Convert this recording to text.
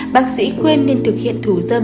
bác sĩ khuyên nên thực hiện thù dâm